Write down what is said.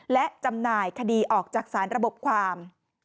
และจำหน่ายคดีออกจากสารระบบความ